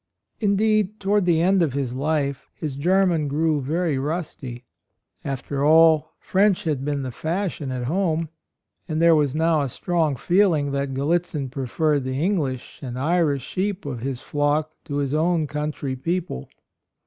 In deed toward the end of his life his German grew very rusty. After all, French had been the fashion at home; and there was now a strong feeling that Gal litzin preferred the English and Irish sheep of his flock to his own country people.